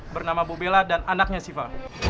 bernama bobela dan anaknya siva